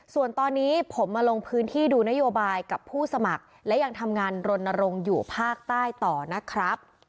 ส่วนตอนนี้ผมมาลงพื้นที่ดูนโยบายกับผู้สมัครและยังทำงานรณรงค์อยู่ภาคใต้ต่อนะครับ